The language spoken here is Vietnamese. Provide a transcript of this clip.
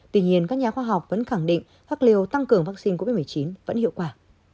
tuy nhiên các nhà khoa học vẫn khẳng định phác liệu tăng cường vắc xin covid một mươi chín vẫn hiệu quả